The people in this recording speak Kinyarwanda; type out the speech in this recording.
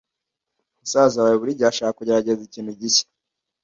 Musaza wawe buri gihe ashaka kugerageza ikintu gishya.